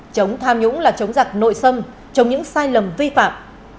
chống tham nhũng là chống giặc nội xâm chống những sai lầm vi phạm